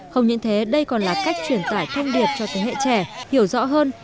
không những thế đây còn là cách truyền tải thông điệp cho thế hệ trẻ hiểu rõ hơn